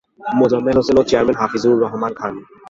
মোজাম্মেল হোসেন ও চেয়ারম্যান হাফিজুর রহমান খান।